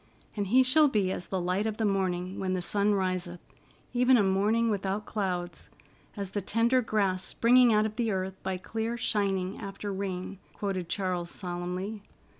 "'And he shall be as the light of the morning when the sun riseth, even a morning without clouds; as the tender grass springing out of the earth by clear shining after rain,'" quoted Charles solemnly.